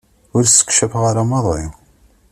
Ur ssekcafeɣ ara maḍi.